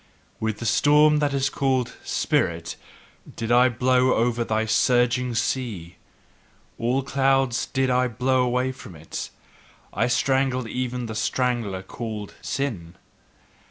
With the storm that is called "spirit" did I blow over thy surging sea; all clouds did I blow away from it; I strangled even the strangler called "sin."